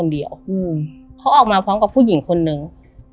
ใช่ค่ะออกมาพร้อมกับผู้หญิงคนหนึ่ง